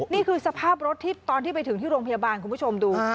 นี่คือสภาพรถที่ตอนที่ไปถึงที่โรงพยาบาลคุณผู้ชมดู